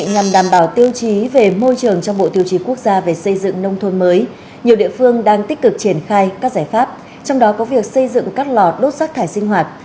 nhằm đảm bảo tiêu chí về môi trường trong bộ tiêu chí quốc gia về xây dựng nông thôn mới nhiều địa phương đang tích cực triển khai các giải pháp trong đó có việc xây dựng các lò đốt rác thải sinh hoạt